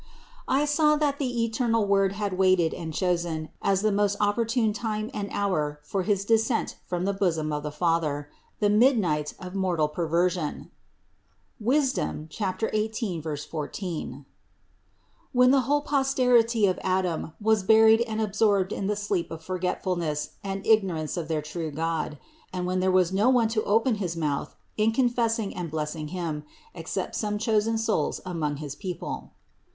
124. I saw that the eternal Word had awaited and chosen, as the most opportune time and hour for his 100 THE INCARNATION 101 descent from the bosom of the Father, the midnight of mortal perversion (Wis. 18, 14), when the whole pos terity of Adam was buried and absorbed in the sleep of forgetfulness and ignorance of their true God, and when there was no one to open his mouth in confessing and blessing Him, except some chosen souls among his people.